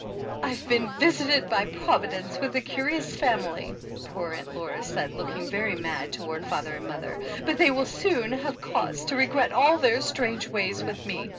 "I've been visited by Providence with a curi ous family," poor Aunt Laura said, looking very mad toward father and mother, "but they will soon have cause to regret all their strange ways with me.